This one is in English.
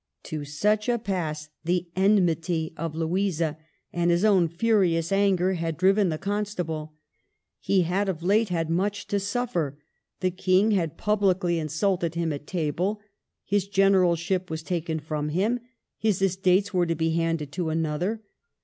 To such a pass the enmity of Louisa and his own furious anger had driven the Constable. He had of late had much to suffer: the King had publicly insulted him at table ; his general ship was taken from him; his estates were to be handed to another.